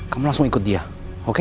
kamu langsung ikut dia oke